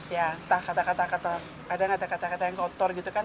ya entah kata kata kadang ada kata kata yang kotor gitu kan